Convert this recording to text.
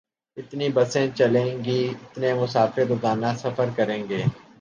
اتنی بسیں چلیں گی، اتنے مسافر روزانہ سفر کریں گے۔